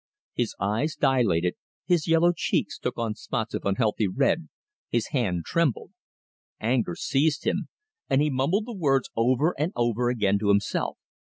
His eyes dilated, his yellow cheeks took on spots of unhealthy red, his hand trembled. Anger seized him, and he mumbled the words over and over again to himself.